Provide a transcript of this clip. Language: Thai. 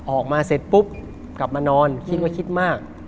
ออกมาเสร็จปุ๊บกลับมานอนคิดว่าคิดมาก